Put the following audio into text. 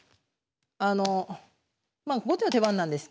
まあ後手の手番なんです。